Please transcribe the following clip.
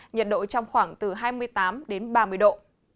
nhiệt độ trong khoảng từ hai mươi tám đến ba mươi độ